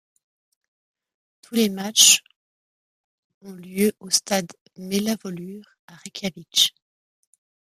Tous les matchs ont eu lieu au stade Melavöllur à Reykjavik.